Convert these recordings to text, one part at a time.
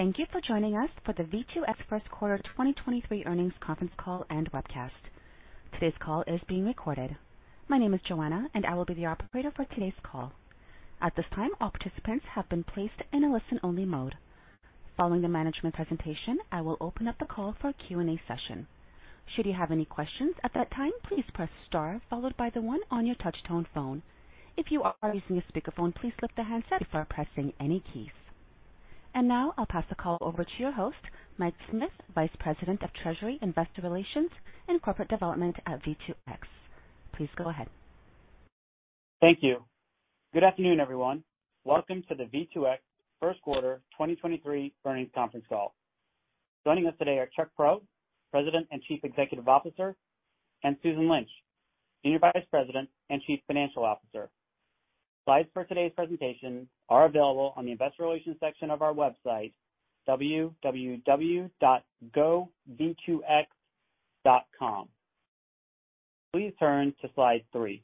Thank you for joining us for the V2X first quarter 2023 earnings conference call and webcast. Today's call is being recorded. My name is Joanna, I will be the operator for today's call. At this time, all participants have been placed in a listen-only mode. Following the management presentation, I will open up the call for a Q&A session. Should you have any questions at that time, please press star followed by the one on your touchtone phone. If you are using a speakerphone, please lift the handset before pressing any keys. Now I'll pass the call over to your host, Mike Smith, Vice President of Treasury, Investor Relations, and Corporate Development at V2X. Please go ahead. Thank you. Good afternoon, everyone. Welcome to the V2X first quarter 2023 earnings conference call. Joining us today are Chuck Prow, President and Chief Executive Officer, and Susan Lynch, Senior Vice President and Chief Financial Officer. Slides for today's presentation are available on the investor relations section of our website, www.gov2x.com. Please turn to slide three.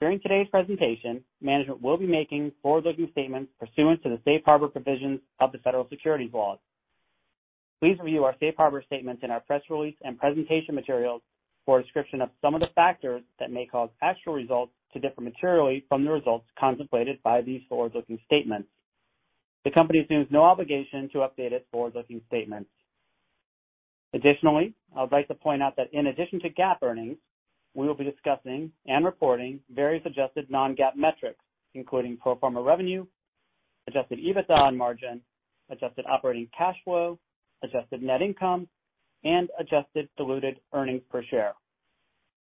During today's presentation, management will be making forward-looking statements pursuant to the safe harbor provisions of the federal securities laws. Please review our safe harbor statements in our press release and presentation materials for a description of some of the factors that may cause actual results to differ materially from the results contemplated by these forward-looking statements. The company assumes no obligation to update its forward-looking statements. Additionally, I would like to point out that in addition to GAAP earnings, we will be discussing and reporting various adjusted non-GAAP metrics, including pro forma revenue, adjusted EBITDA and margin, adjusted operating cash flow, adjusted net income, and adjusted diluted earnings per share.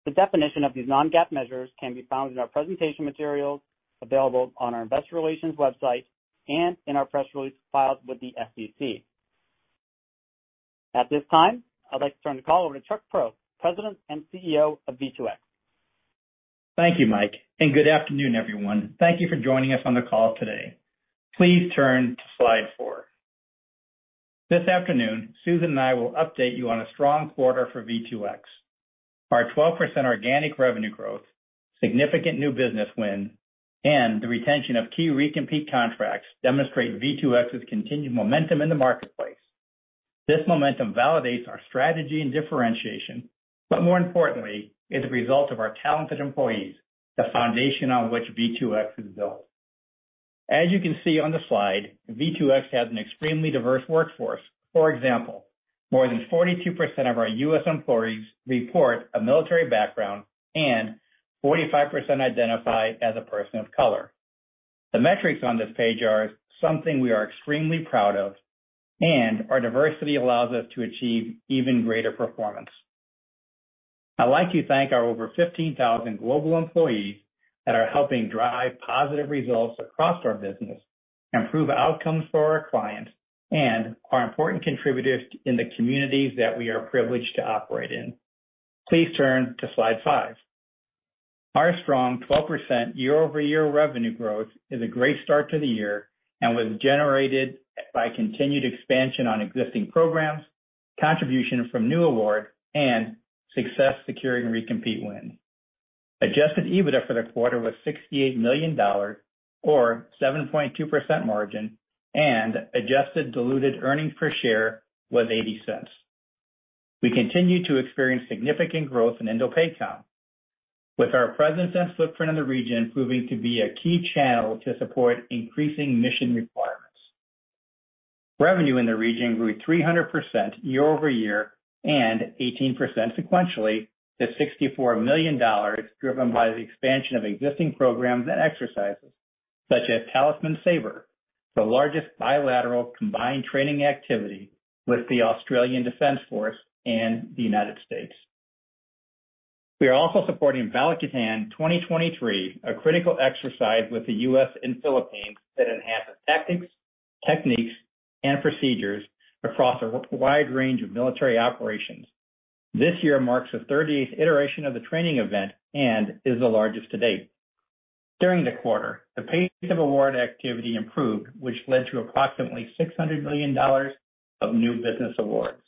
The definition of these non-GAAP measures can be found in our presentation materials available on our investor relations website and in our press release files with the SEC. At this time, I'd like to turn the call over to Chuck Prow, President and CEO of V2X. Thank you, Mike, and good afternoon, everyone. Thank you for joining us on the call today. Please turn to slide four. This afternoon, Susan and I will update you on a strong quarter for V2X. Our 12% organic revenue growth, significant new business win, and the retention of key recompete contracts demonstrate V2X's continued momentum in the marketplace. This momentum validates our strategy and differentiation, but more importantly, is a result of our talented employees, the foundation on which V2X is built. As you can see on the slide, V2X has an extremely diverse workforce. For example, more than 42% of our U.S. employees report a military background, and 45% identify as a person of color. The metrics on this page are something we are extremely proud of, and our diversity allows us to achieve even greater performance. I'd like to thank our over 15,000 global employees that are helping drive positive results across our business and improve outcomes for our clients and are important contributors in the communities that we are privileged to operate in. Please turn to slide five. Our strong 12% year-over-year revenue growth is a great start to the year and was generated by continued expansion on existing programs, contribution from new awards, and success securing recompete wins. Adjusted EBITDA for the quarter was $68 million or 7.2% margin, and adjusted diluted earnings per share was $0.80. We continue to experience significant growth in INDOPACOM, with our presence and footprint in the region proving to be a key channel to support increasing mission requirements. Revenue in the region grew 300% year over year and 18% sequentially to $64 million, driven by the expansion of existing programs and exercises such as Talisman Sabre, the largest bilateral combined training activity with the Australian Defence Force and the U.S. We are also supporting Balikatan 2023, a critical exercise with the U.S. and Philippines that enhances tactics, techniques, and procedures across a wide range of military operations. This year marks the 38th iteration of the training event and is the largest to date. During the quarter, the pace of award activity improved, which led to approximately $600 million of new business awards.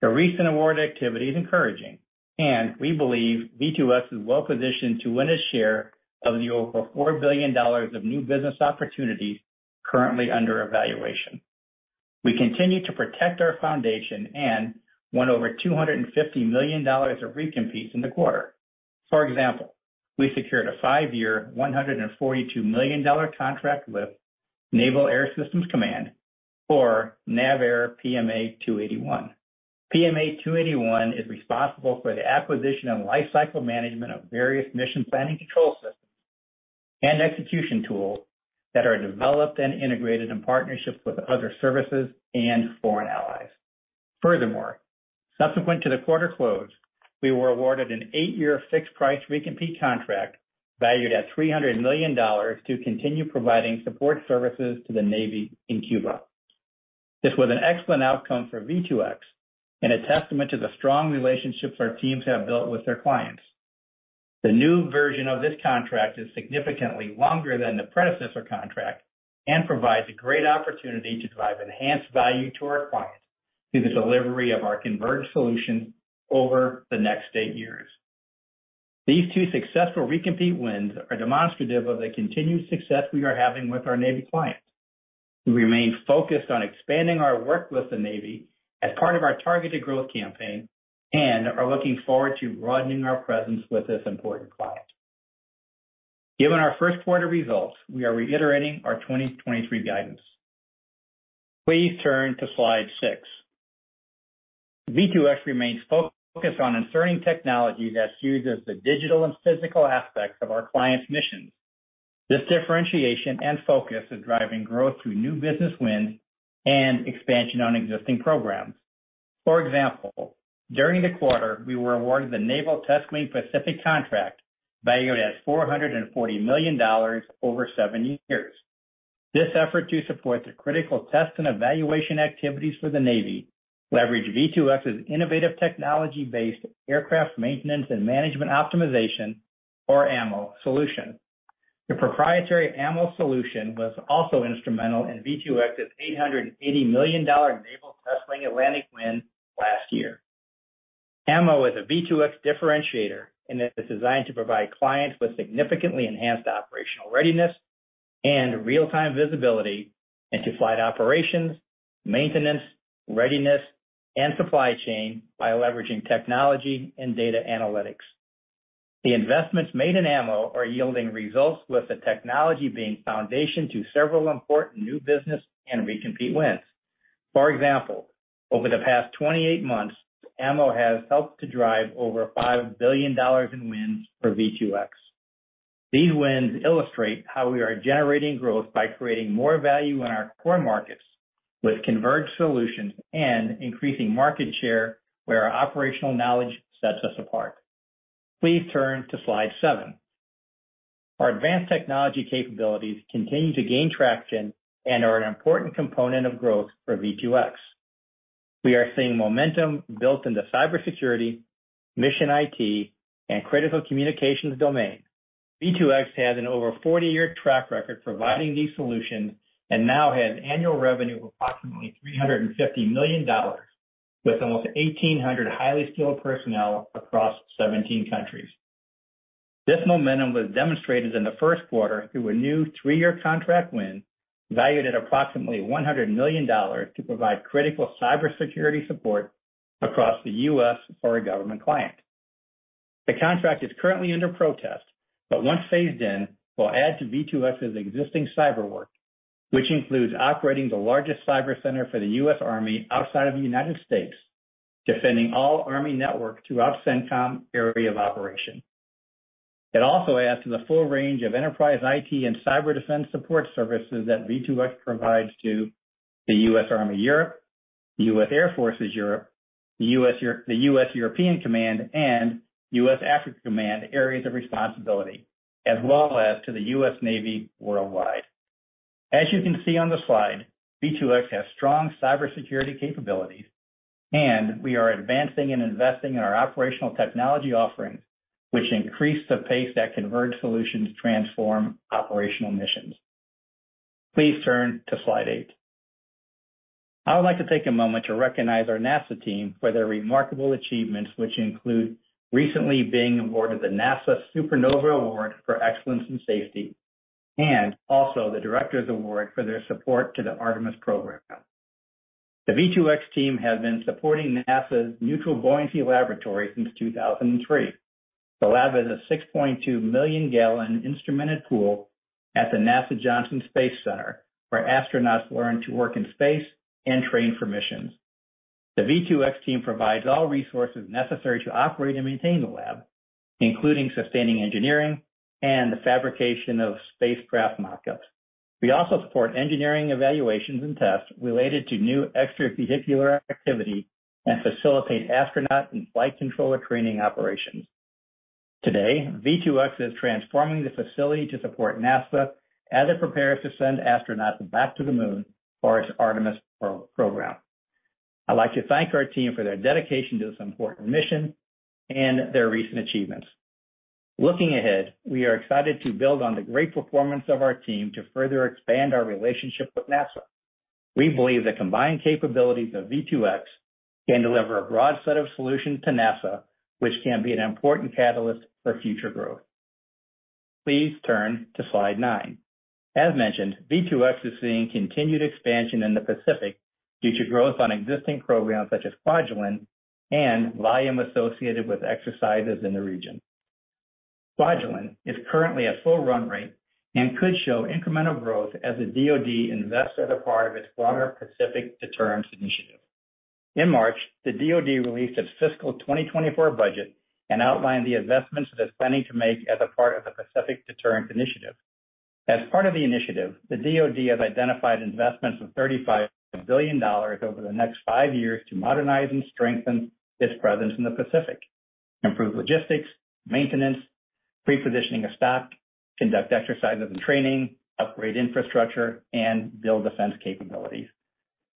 The recent award activity is encouraging, and we believe V2X is well positioned to win a share of the over $4 billion of new business opportunities currently under evaluation. We continue to protect our foundation and won over $250 million of recompetes in the quarter. For example, we secured a five-year, $142 million contract with Naval Air Systems Command or NAVAIR PMA-281. PMA-281 is responsible for the acquisition and lifecycle management of various mission planning control systems and execution tools that are developed and integrated in partnership with other services and foreign allies. Subsequent to the quarter close, we were awarded an eight-year fixed price recompete contract valued at $300 million to continue providing support services to the Navy in Cuba. This was an excellent outcome for V2X and a testament to the strong relationships our teams have built with their clients. The new version of this contract is significantly longer than the predecessor contract and provides a great opportunity to drive enhanced value to our client through the delivery of our converged solution over the next eight years. These two successful recompete wins are demonstrative of the continued success we are having with our Navy clients. We remain focused on expanding our work with the Navy as part of our targeted growth campaign and are looking forward to broadening our presence with this important client. Given our first quarter results, we are reiterating our 2023 guidance. Please turn to slide six. V2X remains focused on inserting technology that's used as the digital and physical aspects of our clients' missions. This differentiation and focus is driving growth through new business wins and expansion on existing programs. During the quarter, we were awarded the Naval Test Wing Pacific contract valued at $440 million over seven years. This effort to support the critical test and evaluation activities for the Navy leverage V2X's innovative technology-based Aircraft Maintenance and Management Optimization or AMMO solution. The proprietary AMMO solution was also instrumental in V2X's $880 million Naval Test Wing Atlantic win last year. AMMO is a V2X differentiator, and it is designed to provide clients with significantly enhanced operational readiness and real-time visibility into flight operations, maintenance, readiness, and supply chain by leveraging technology and data analytics. The investments made in AMMO are yielding results with the technology being foundation to several important new business and recompete wins. Over the past 28 months, AMMO has helped to drive over $5 billion in wins for V2X. These wins illustrate how we are generating growth by creating more value in our core markets with converged solutions and increasing market share where our operational knowledge sets us apart. Please turn to slide seven. Our advanced technology capabilities continue to gain traction and are an important component of growth for V2X. We are seeing momentum built into cybersecurity, mission IT, and critical communications domain. V2X has an over 40-year track record providing these solutions and now has annual revenue of approximately $350 million, with almost 1,800 highly skilled personnel across 17 countries. This momentum was demonstrated in the first quarter through a new three-year contract win, valued at approximately $100 million to provide critical cybersecurity support across the U.S. for a government client. The contract is currently under protest, once phased in, will add to V2X's existing cyber work, which includes operating the largest cyber center for the US Army outside of the United States, defending all Army network throughout CENTCOM area of operation. It also adds to the full range of enterprise IT and cyber defense support services that V2X provides to the US Army Europe, US Air Forces in Europe, the US European Command, and US Africa Command areas of responsibility, as well as to the US Navy worldwide. As you can see on the slide, V2X has strong cybersecurity capabilities, and we are advancing and investing in our operational technology offerings, which increase the pace that converged solutions transform operational missions. Please turn to slide eight. I would like to take a moment to recognize our NASA team for their remarkable achievements, which include recently being awarded the NASA Super Nova Award for excellence in safety and also the Director's Award for their support to the Artemis program. The V2X team has been supporting NASA's Neutral Buoyancy Laboratory since 2003. The lab is a 6.2 million gallon instrumented pool at the NASA Johnson Space Center, where astronauts learn to work in space and train for missions. The V2X team provides all resources necessary to operate and maintain the lab, including sustaining engineering and the fabrication of spacecraft mock-ups. We also support engineering evaluations and tests related to new extravehicular activity and facilitate astronaut and flight controller training operations. Today, V2X is transforming the facility to support NASA as it prepares to send astronauts back to the moon for its Artemis program. I'd like to thank our team for their dedication to this important mission and their recent achievements. Looking ahead, we are excited to build on the great performance of our team to further expand our relationship with NASA. We believe the combined capabilities of V2X can deliver a broad set of solutions to NASA, which can be an important catalyst for future growth. Please turn to slide nine. As mentioned, V2X is seeing continued expansion in the Pacific due to growth on existing programs such as Kwajalein and volume associated with exercises in the region. Kwajalein is currently at full run rate and could show incremental growth as the DoD invests as a part of its broader Pacific Deterrence Initiative. In March, the DoD released its fiscal 2024 budget and outlined the investments it is planning to make as a part of the Pacific Deterrence Initiative. As part of the initiative, the DoD has identified investments of $35 billion over the next five years to modernize and strengthen its presence in the Pacific, improve logistics, maintenance, prepositioning of stock, conduct exercises and training, upgrade infrastructure, and build defense capabilities.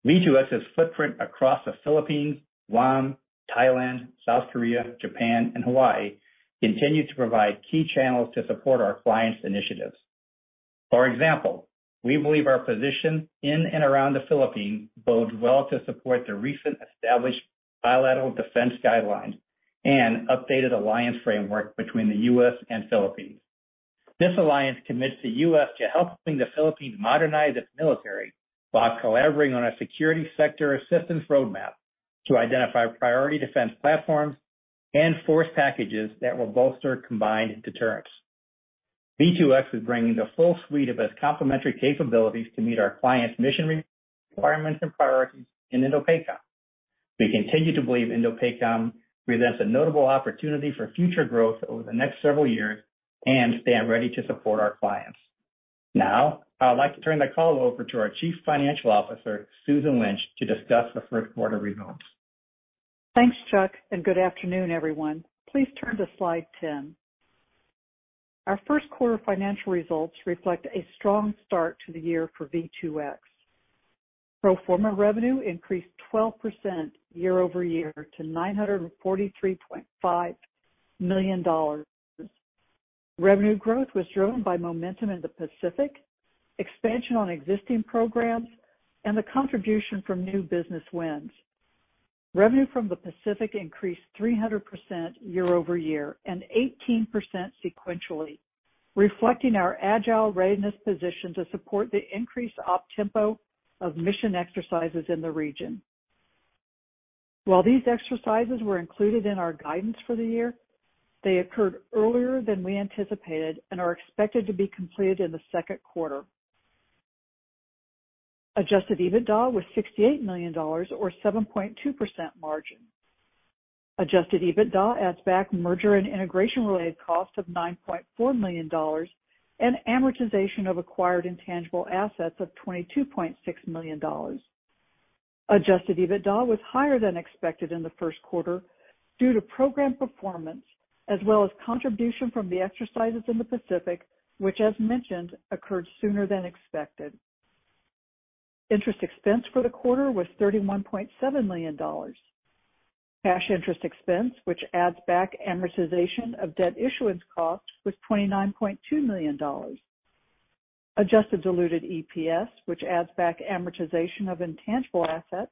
V2X's footprint across the Philippines, Guam, Thailand, South Korea, Japan, and Hawaii continue to provide key channels to support our clients' initiatives. For example, we believe our position in and around the Philippines bodes well to support the recent established bilateral defense guidelines and updated alliance framework between the U.S. and Philippines. This alliance commits the U.S. to helping the Philippines modernize its military while collaborating on a security sector assistance roadmap to identify priority defense platforms and force packages that will bolster combined deterrence. V2X is bringing the full suite of its complementary capabilities to meet our clients' mission re-requirements and priorities in INDOPACOM.We continue to believe INDOPACOM presents a notable opportunity for future growth over the next several years and stand ready to support our clients. I'd like to turn the call over to our Chief Financial Officer, Susan Lynch, to discuss the first quarter results. Thanks, Chuck. Good afternoon, everyone. Please turn to slide 10. Our first quarter financial results reflect a strong start to the year for V2X. Pro forma revenue increased 12% year-over-year to $943.5 million. Revenue growth was driven by momentum in the Pacific, expansion on existing programs, and the contribution from new business wins. Revenue from the Pacific increased 300% year-over-year and 18% sequentially, reflecting our agile readiness position to support the increased op tempo of mission exercises in the region. These exercises were included in our guidance for the year, they occurred earlier than we anticipated and are expected to be completed in the second quarter. Adjusted EBITDA was $68 million or 7.2% margin. Adjusted EBITDA adds back merger and integration-related costs of $9.4 million and amortization of acquired intangible assets of $22.6 million. Adjusted EBITDA was higher than expected in the first quarter due to program performance as well as contribution from the exercises in the Pacific, which as mentioned, occurred sooner than expected. Interest expense for the quarter was $31.7 million. Cash interest expense, which adds back amortization of debt issuance costs, was $29.2 million. Adjusted diluted EPS, which adds back amortization of intangible assets,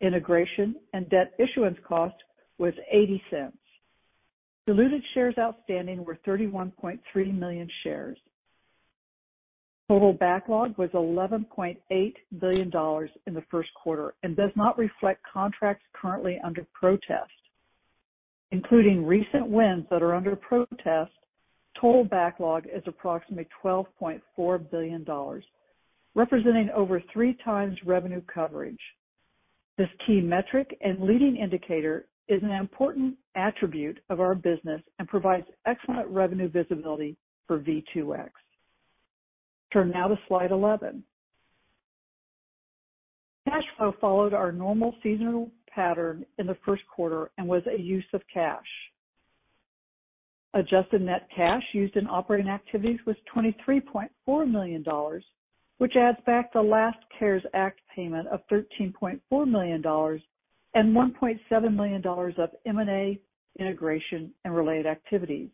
integration, and debt issuance costs, was $0.80. Diluted shares outstanding were 31.3 million shares. Total backlog was $11.8 billion in the first quarter and does not reflect contracts currently under protest. Including recent wins that are under protest, total backlog is approximately $12.4 billion, representing over three times revenue coverage. This key metric and leading indicator is an important attribute of our business and provides excellent revenue visibility for V2X. Turn now to slide 11. Cash flow followed our normal seasonal pattern in the first quarter and was a use of cash. Adjusted net cash used in operating activities was $23.4 million, which adds back the last CARES Act payment of $13.4 million and $1.7 million of M&A integration and related activities.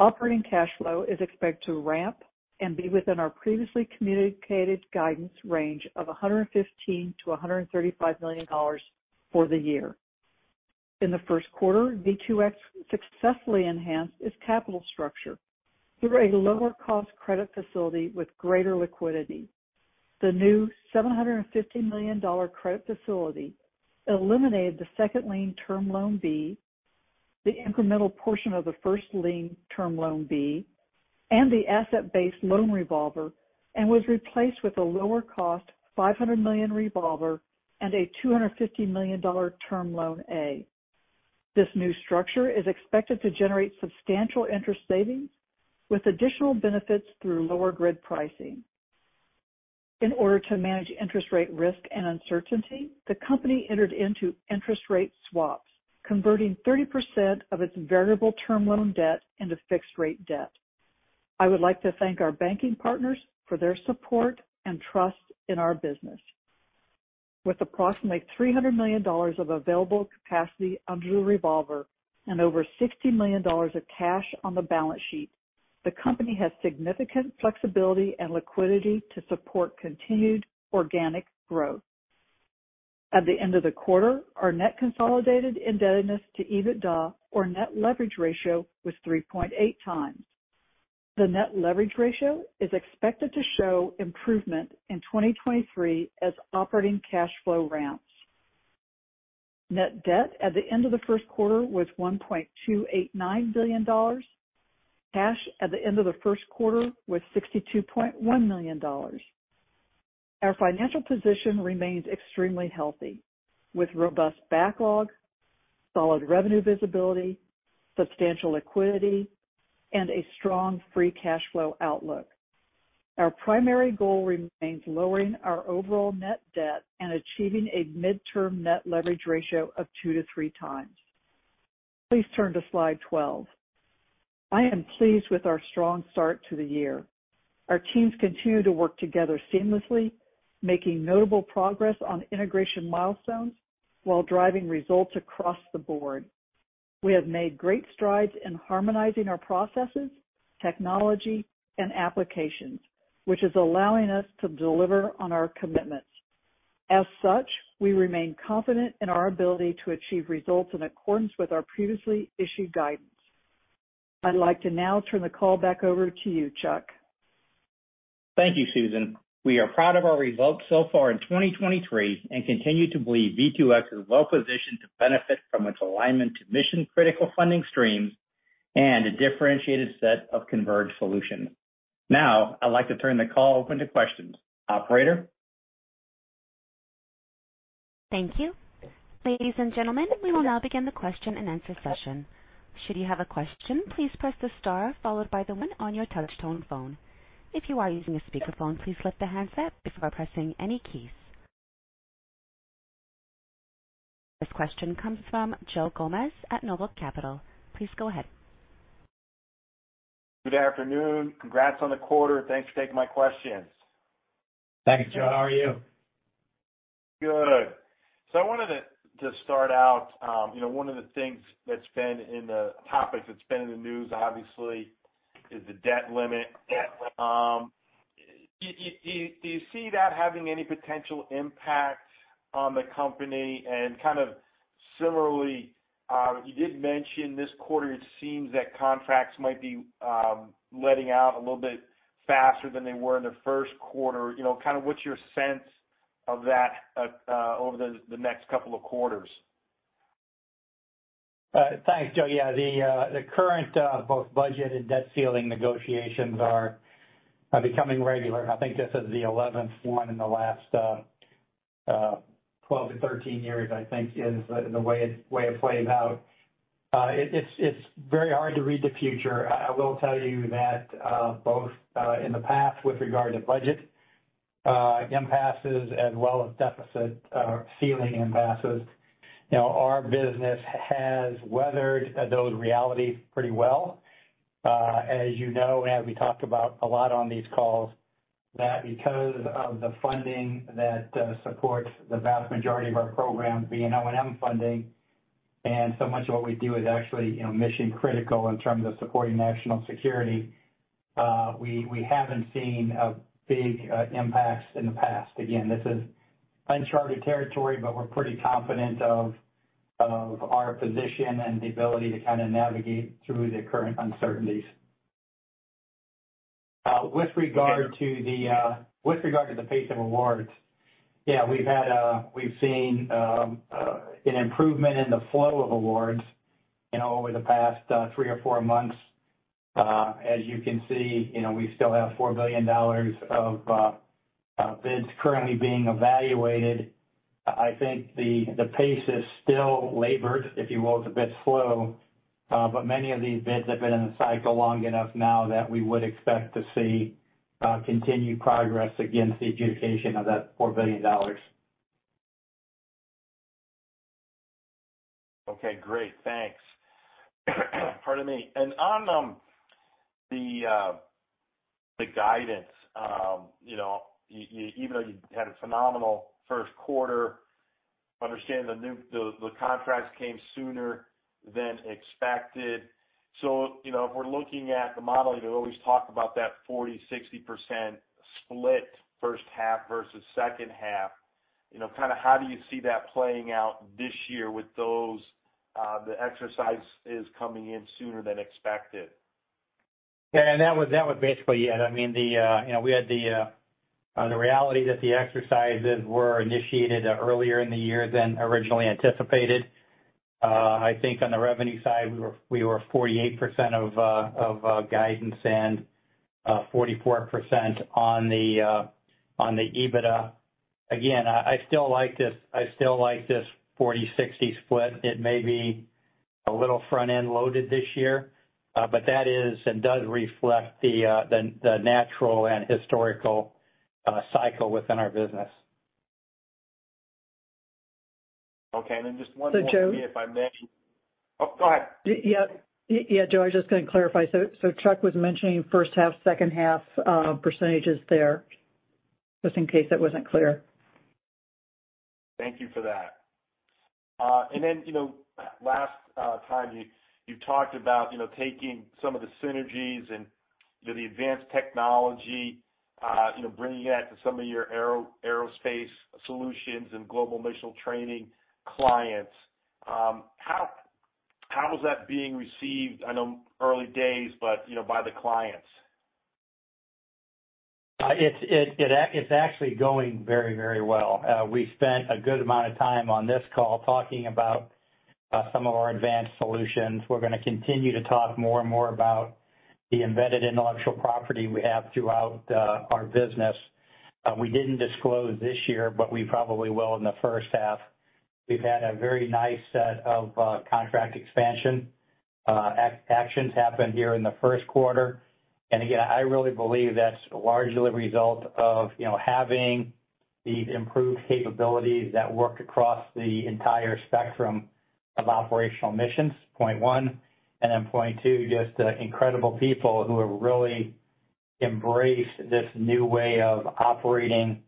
Operating cash flow is expected to ramp and be within our previously communicated guidance range of $115 million-$135 million for the year. In the first quarter, V2X successfully enhanced its capital structure through a lower cost credit facility with greater liquidity. The new $750 million credit facility eliminated the second lien Term Loan B, the incremental portion of the first lien Term Loan B, and the asset-based lending revolver, and was replaced with a lower cost $500 million revolver and a $250 million Term Loan A. This new structure is expected to generate substantial interest savings with additional benefits through lower grid pricing. In order to manage interest rate risk and uncertainty, the company entered into interest rate swaps, converting 30% of its variable term loan debt into fixed rate debt. I would like to thank our banking partners for their support and trust in our business. With approximately $300 million of available capacity under the revolver and over $60 million of cash on the balance sheet, the company has significant flexibility and liquidity to support continued organic growth. At the end of the quarter, our net consolidated indebtedness to EBITDA or net leverage ratio was 3.8 times. The net leverage ratio is expected to show improvement in 2023 as operating cash flow ramps. Net debt at the end of the first quarter was $1.289 billion. Cash at the end of the first quarter was $62.1 million. Our financial position remains extremely healthy with robust backlog, solid revenue visibility, substantial liquidity, and a strong free cash flow outlook. Our primary goal remains lowering our overall net debt and achieving a midterm net leverage ratio of 2-3 times. Please turn to slide 12. I am pleased with our strong start to the year. Our teams continue to work together seamlessly, making notable progress on integration milestones while driving results across the board. We have made great strides in harmonizing our processes, technology, and applications, which is allowing us to deliver on our commitments. As such, we remain confident in our ability to achieve results in accordance with our previously issued guidance. I'd like to now turn the call back over to you, Chuck. Thank you, Susan. We are proud of our results so far in 2023 and continue to believe V2X is well positioned to benefit from its alignment to mission-critical funding streams and a differentiated set of converged solutions. Now, I'd like to turn the call open to questions. Operator? Thank you. Ladies and gentlemen, we will now begin the question-and-answer session. Should you have a question, please press the star followed by the one on your touch-tone phone. If you are using a speakerphone, please lift the handset before pressing any keys. This question comes from Joe Gomes at Noble Capital. Please go ahead. Good afternoon. Congrats on the quarter. Thanks for taking my questions. Thanks, Joe. How are you? Good. I wanted to start out, you know, one of the things that's been in the topics, that's been in the news obviously is the debt limit. Yeah. Do you see that having any potential impact on the company? Kind of similarly, you did mention this quarter it seems that contracts might be letting out a little bit faster than they were in the first quarter. You know, kind of what's your sense of that over the next couple of quarters? Thanks, Joe. Yeah, the current both budget and debt ceiling negotiations are becoming regular. I think this is the 11th one in the last 12-13 years, I think is the way it played out. It's very hard to read the future. I will tell you that both in the past with regard to budget impasses as well as deficit ceiling impasses, you know, our business has weathered those realities pretty well. As you know, and as we talked about a lot on these calls, that because of the funding that supports the vast majority of our programs being O&M funding and so much of what we do is actually, you know, mission critical in terms of supporting national security, we haven't seen a big impacts in the past. Again, this is uncharted territory, but we're pretty confident of our position and the ability to kinda navigate through the current uncertainties. With regard to the pace of awards, yeah, we've had, we've seen an improvement in the flow of awards, you know, over the past three or four months. As you can see, you know, we still have $4 billion of bids currently being evaluated. I think the pace is still labored, if you will. It's a bit slow, but many of these bids have been in the cycle long enough now that we would expect to see continued progress against the adjudication of that $4 billion. Okay. Great. Thanks. Pardon me. On the guidance, you know, even though you had a phenomenal first quarter, understand the contracts came sooner than expected. You know, if we're looking at the model, you know, always talk about that 40%-60% split first half versus second half. You know, kinda how do you see that playing out this year with those the exercises coming in sooner than expected? Yeah, that was basically it. I mean, you know, we had the reality that the exercises were initiated earlier in the year than originally anticipated. I think on the revenue side, we were 48% of guidance and 44% on the EBITDA. Again, I still like this, I still like this 40-60 split. It may be a little front-end loaded this year, but that is and does reflect the natural and historical cycle within our business. Okay. Just one more for me. Joe. If I may. Oh, go ahead. Yeah, Joe, I was just gonna clarify. Chuck was mentioning first half, second half, percentages there, just in case that wasn't clear. Thank you for that. Then, you know, last time you talked about, you know, taking some of the synergies and, you know, the advanced technology, you know, bringing that to some of your aerospace solutions and global mission training clients. How is that being received, I know early days, but, you know, by the clients? It's actually going very, very well. We spent a good amount of time on this call talking about some of our advanced solutions. We're gonna continue to talk more and more about the embedded intellectual property we have throughout our business. We didn't disclose this year, but we probably will in the first half. We've had a very nice set of contract expansion actions happen here in the first quarter. Again, I really believe that's largely the result of having these improved capabilities that work across the entire spectrum of operational missions, point one. Then point two, just incredible people who are really embrace this new way of operating,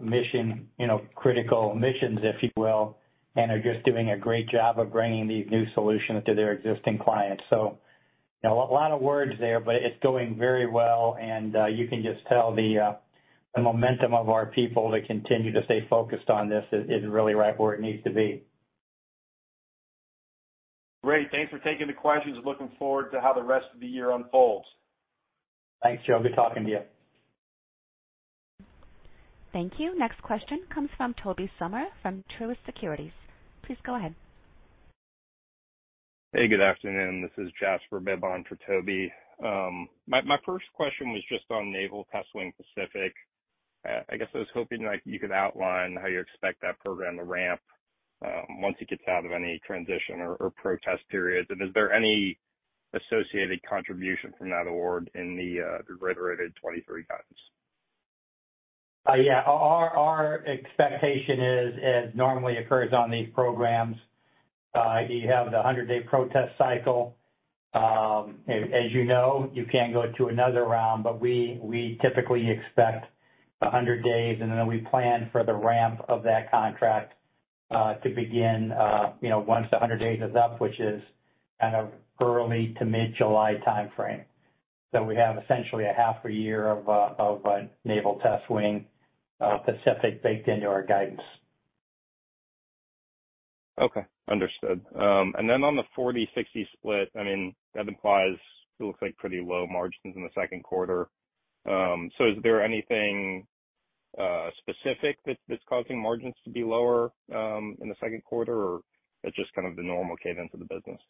mission critical missions, if you will, and are just doing a great job of bringing these new solutions to their existing clients. You know, a lot of words there, but it's going very well, and you can just tell the momentum of our people to continue to stay focused on this is really right where it needs to be. Great. Thanks for taking the questions. Looking forward to how the rest of the year unfolds. Thanks, Joe. Good talking to you. Thank you. Next question comes from Tobey Sommer, from Truist Securities. Please go ahead. Hey, good afternoon. This is Jasper Bibb for Toby. My first question was just on Naval Test Wing Pacific. I guess I was hoping, like, you could outline how you expect that program to ramp, once it gets out of any transition or protest periods? Is there any associated contribution from that award in the reiterated 23 guidance? Our expectation, as normally occurs on these programs, you have the 100-day protest cycle. As you know, you can go to another round, but we typically expect 100 days, and then we plan for the ramp of that contract to begin, once the 100 days is up, which is kind of early to mid-July timeframe. We have essentially a half a year of Naval Test Wing Pacific baked into our guidance Okay. Understood. On the 40/60 split, I mean, that implies it looks like pretty low margins in the second quarter. Is there anything specific that's causing margins to be lower in the second quarter or that's just kind of the normal cadence of the business?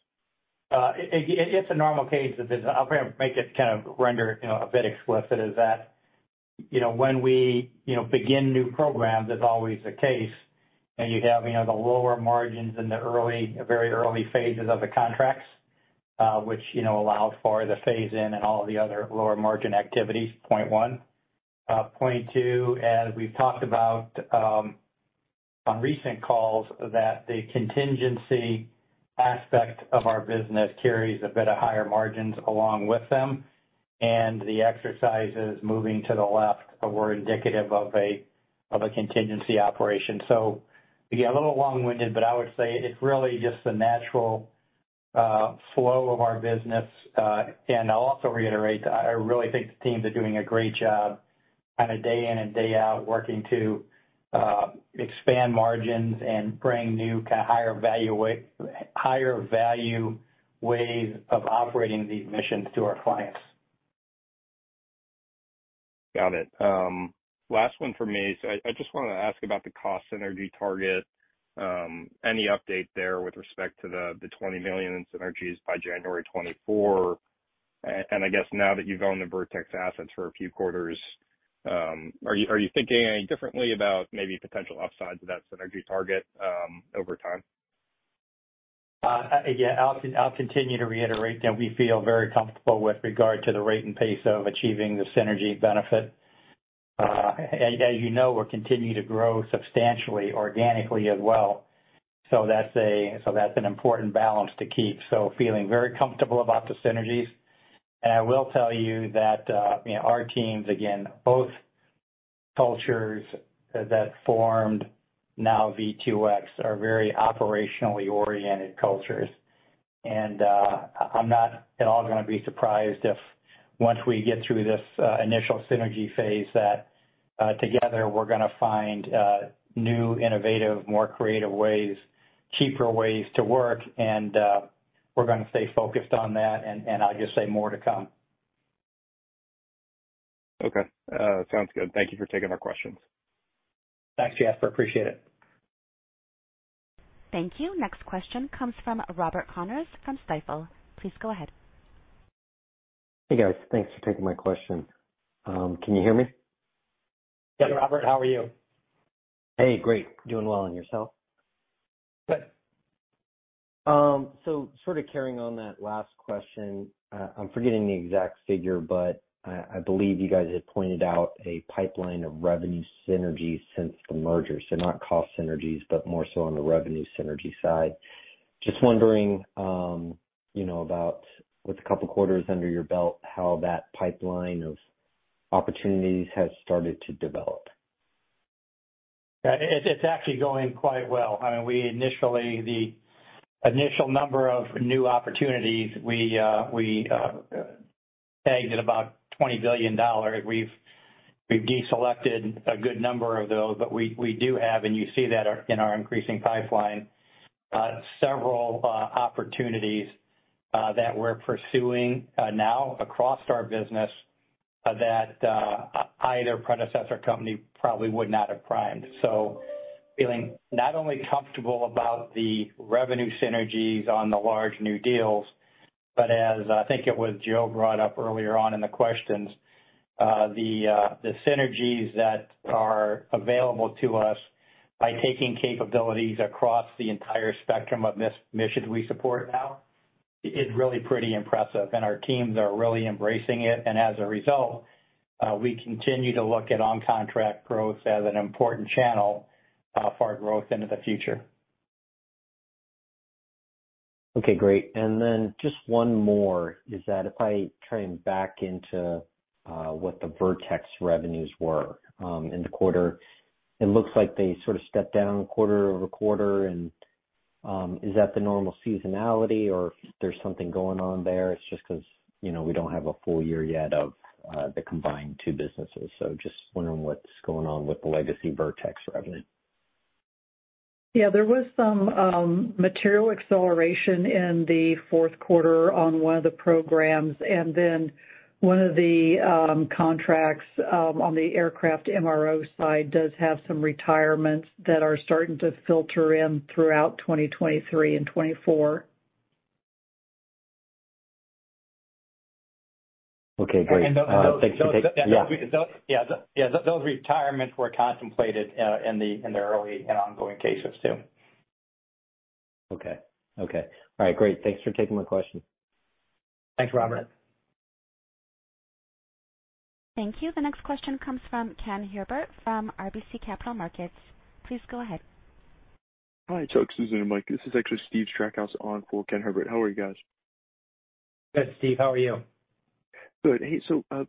It's a normal case that I'll make it kind of render, you know, a bit explicit, is that when we, you know, begin new programs, as always the case, and you have the lower margins in the early, very early phases of the contracts, which allows for the phase in and all the other lower margin activities. Point one. Point two, as we've talked about, on recent calls, that the contingency aspect of our business carries a bit of higher margins along with them, and the exercise is moving to the left or indicative of a, of a contingency operation. Again, a little long-winded, but I would say it's really just the natural flow of our business. I'll also reiterate, I really think the teams are doing a great job kind of day in and day out working to expand margins and bring new kind of higher value ways of operating these missions to our clients. Got it. Last one for me. I just wanna ask about the cost synergy target. Any update there with respect to the $20 million in synergies by January 2024? I guess now that you've owned the Vertex assets for a few quarters, are you thinking any differently about maybe potential upsides of that synergy target over time? Yeah, I'll continue to reiterate that we feel very comfortable with regard to the rate and pace of achieving the synergy benefit. As you know, we're continuing to grow substantially organically as well. That's an important balance to keep. Feeling very comfortable about the synergies. I will tell you that our teams, again, both cultures that formed now V2X are very operationally oriented cultures. I'm not at all gonna be surprised if once we get through this initial synergy phase, that together we're gonna find new, innovative, more creative ways, cheaper ways to work. We're gonna stay focused on that. I'll just say more to come. Okay. Sounds good. Thank you for taking our questions. Thanks, Jasper. Appreciate it. Thank you. Next question comes from Robert Connors from Stifel. Please go ahead. Hey, guys. Thanks for taking my question. Can you hear me? Yes, Robert, how are you? Hey, great. Doing well. Yourself? Good. Sort of carrying on that last question, I'm forgetting the exact figure, but I believe you guys had pointed out a pipeline of revenue synergies since the merger, so not cost synergies, but more so on the revenue synergy side. Just wondering about with a couple quarters under your belt, how that pipeline of opportunities has started to develop. It's actually going quite well. I mean, the initial number of new opportunities we tagged at about $20 billion. We've deselected a good number of those, but we do have, and you see that our, in our increasing pipeline, several opportunities that we're pursuing now across our business that either predecessor company probably would not have primed. So feeling not only comfortable about the revenue synergies on the large new deals, but as I think it was Joe brought up earlier on in the questions, the synergies that are available to us by taking capabilities across the entire spectrum of missions we support now is really pretty impressive. Our teams are really embracing it. As a result, we continue to look at on-contract growth as an important channel for our growth into the future. Okay, great. Just one more is that if I try and back into what the Vertex revenues were in the quarter, it looks like they sort of stepped down quarter-over-quarter. Is that the normal seasonality or there's something going on there? It's just 'cause we don't have a full year yet of the combined two businesses. Just wondering what's going on with the legacy Vertex revenue. Yeah, there was some material acceleration in the fourth quarter on one of the programs, and then one of the contracts on the aircraft MRO side does have some retirements that are starting to filter in throughout 2023 and 2024. Okay, great. Thanks for tak-. Yeah. yeah, those retirements were contemplated, in the, in the early and ongoing cases too. Okay. Okay. All right. Great. Thanks for taking my question. Thanks, Robert. Thank you. The next question comes from Ken Herbert from RBC Capital Markets. Please go ahead. Hi, Chuck, Susan, and Mike. This is actually Stephen Strackhouse on for Ken Herbert. How are you guys? Good, Steve. How are you? Good.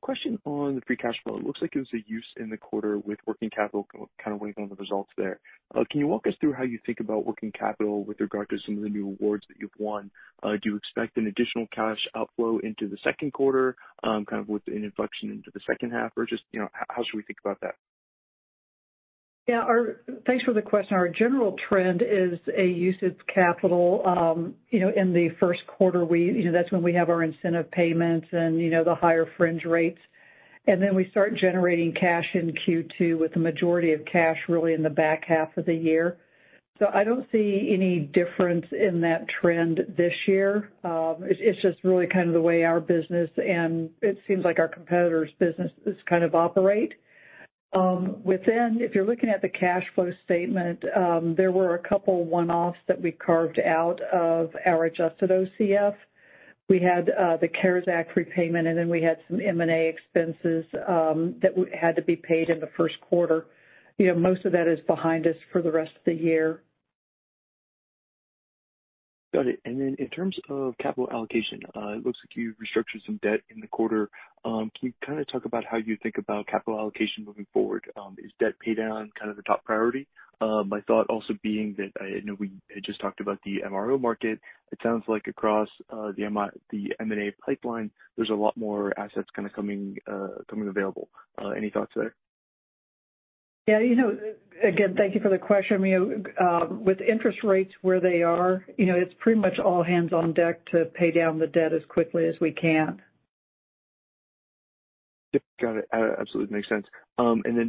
Question on the free cash flow? It looks like it was a use in the quarter with working capital. Kind of waiting on the results there. Can you walk us through how you think about working capital with regard to some of the new awards that you've won? Do you expect an additional cash outflow into the second quarter, kind of with an inflection into the second half? Or just, you know, how should we think about that? Thanks for the question. Our general trend is a usage capital, you know, in the first quarter, we, you know, that's when we have our incentive payments and the higher fringe rates. We start generating cash in Q2 with the majority of cash really in the back half of the year. I don't see any difference in that trend this year. It, it's just really kind of the way our business and it seems like our competitor's businesses kind of operate. Within, if you're looking at the cash flow statement, there were a couple one-offs that we carved out of our adjusted OCF. We had the CARES Act repayment, and then we had some M&A expenses that had to be paid in the first quarter. You know, most of that is behind us for the rest of the year. Got it. In terms of capital allocation, it looks like you restructured some debt in the quarter. Can you kinda talk about how you think about capital allocation moving forward? Is debt pay down kind of the top priority? My thought also being that, I know we had just talked about the MRO market. It sounds like across the M&A pipeline, there's a lot more assets kinda coming available. Any thoughts there? Yeah, you know, again, thank you for the question. You know, with interest rates where they are, you know, it's pretty much all hands on deck to pay down the debt as quickly as we can. Yeah. Got it. Absolutely makes sense.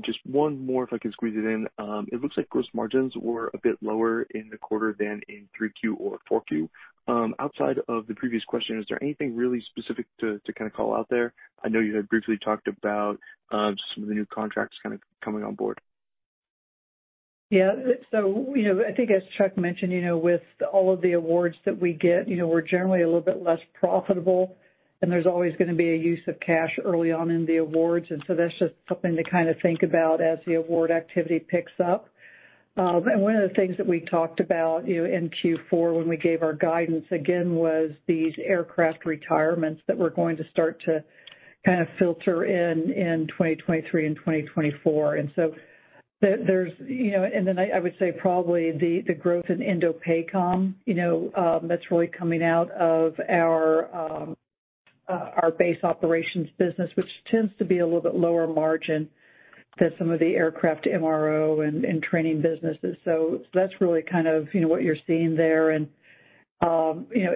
Just one more if I can squeeze it in. It looks like gross margins were a bit lower in the quarter than in 3Q or 4Q. Outside of the previous question, is there anything really specific to kind of call out there? I know you had briefly talked about, some of the new contracts kind of coming on board. Yeah, you know, I think as Chuck mentioned, you know, with all of the awards that we get, you know, we're generally a little bit less profitable, and there's always gonna be a use of cash early on in the awards. That's just something to kind of think about as the award activity picks up. One of the things that we talked about, you know, in Q4 when we gave our guidance again was these aircraft retirements that were going to start to kind of filter in 2023 and 2024. There's, you know... I would say probably the growth in Indo-Pacific Command, you know, that's really coming out of our base operations business, which tends to be a little bit lower margin than some of the aircraft MRO and training businesses. That's really kind of, you know, what you're seeing there.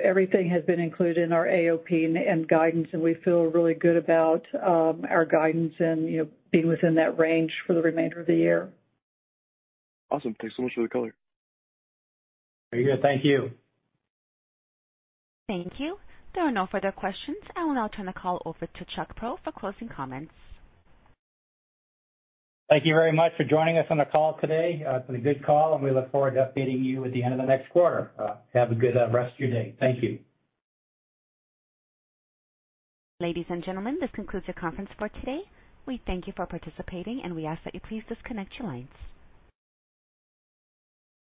Everything has been included in our AOP and guidance, and we feel really good about our guidance and, you know, being within that range for the remainder of the year. Awesome. Thanks so much for the color. Very good. Thank you. Thank you. There are no further questions. I will now turn the call over to Chuck Prow for closing comments. Thank you very much for joining us on the call today. It's been a good call, and we look forward to updating you at the end of the next quarter. Have a good rest of your day. Thank you. Ladies and gentlemen, this concludes the conference for today. We thank you for participating, and we ask that you please disconnect your lines.